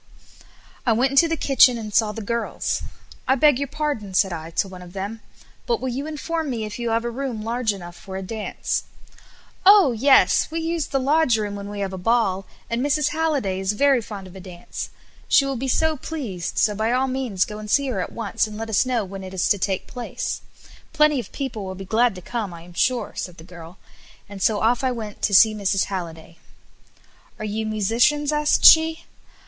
I went into the kitchen and saw the girls. "I beg your pardon," said I to one of them; "but will you inform me if you have a room large enough for a dance." "Oh! yes; we use the lodge room when we have a ball, and Mrs. Halliday is very fond of a dance; she will be so pleased, so by all means go and see her at once, and let us know when it is to take place. Plenty of people will be glad to come I am sure," said the girl, and so off I went to see Mrs. Halliday. "Are you musicians?" asked she.